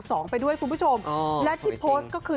คุณผู้ชมและที่โพสต์ก็คือ